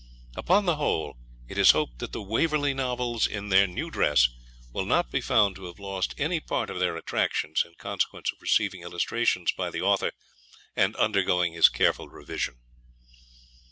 Upon the whole, it is hoped that the Waverley Novels, in their new dress, will not be found to have lost any part of their attractions in consequence of receiving illustrations by the Author, and undergoing his careful revision.